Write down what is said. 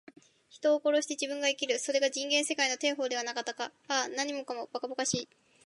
人を殺して自分が生きる。それが人間世界の定法ではなかったか。ああ、何もかも、ばかばかしい。